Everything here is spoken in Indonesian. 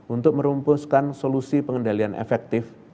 untuk merumpuskan solusi pengendalian efektif